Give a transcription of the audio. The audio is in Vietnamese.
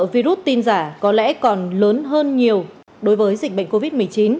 virus tin giả có lẽ còn lớn hơn nhiều đối với dịch bệnh covid một mươi chín